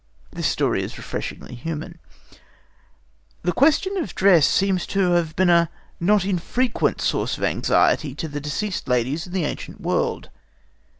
The story is refreshingly human. This question of dress seems to have been a not infrequent source of anxiety to deceased ladies in the ancient world.